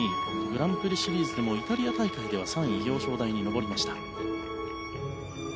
グランプリシリーズでもイタリア大会では３位表彰台に上りました。